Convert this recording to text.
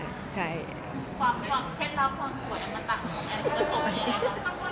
ความเช็ดรับคนสวยอัมตะแอนซื้อสมมูล